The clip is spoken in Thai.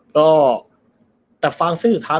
ก็แต่ฟังชื่อสุดท้าย